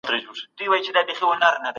پوهان د سياسي اصطلاحاتو نوې ماناګاني څېړي.